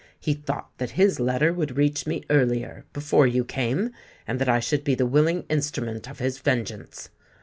He thought that his letter would reach me earlier—before you came, and that I should be the willing instrument of his vengeance.